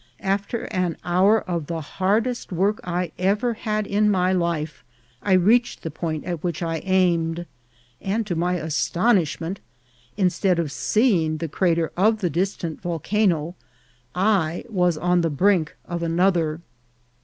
After an hour of the hardest work I ever had in my life, I reached the point at which I aim ed, and, to my astonishment, instead of seeing the cra ter of the distant volcano, I was on the brink of another.